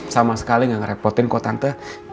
sama sekali gak ngerepotin kok tante